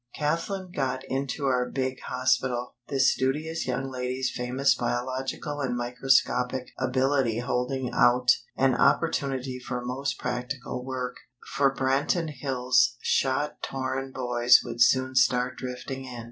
Kathlyn got into our big hospital, this studious young lady's famous biological and microscopic ability holding out an opportunity for most practical work; for Branton Hills' shot torn boys would soon start drifting in.